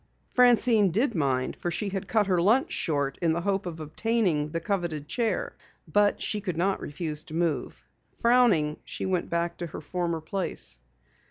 Francine did mind for she had cut her lunch short in the hope of obtaining the coveted chair, but she could not refuse to move. Frowning, she went back to her former place.